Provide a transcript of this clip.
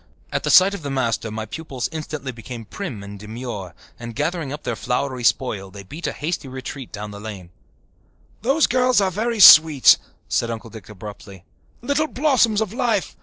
At sight of the master my pupils instantly became prim and demure and, gathering up their flowery spoil, they beat a hasty retreat down the lane. "Those little girls are very sweet," said Uncle Dick abruptly. "Little blossoms of life!